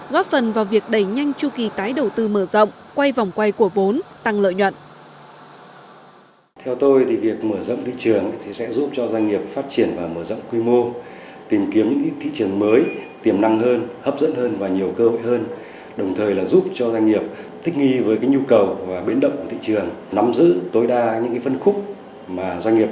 góp phần vào việc đẩy nhanh chu kỳ tái đầu tư mở rộng quay vòng quay của vốn tăng lợi nhuận